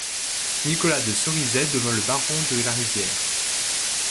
Nicolas de Cerisay devint baron de la Rivière.